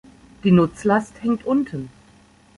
Die Nutzlast hängt unten.